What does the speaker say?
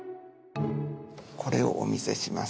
これをお見せします。